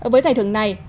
với giải thưởng này